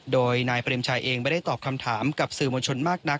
โดยนายเปรมชัยเองไม่ได้ตอบคำถามกับสื่อมวลชนมากนัก